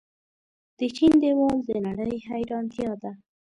د چین دیوال د نړۍ حیرانتیا ده.